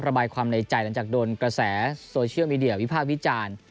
ระบายความในใจหลังจากโดนกระแสโซเชียลมีเดียวิพากษ์วิจารณ์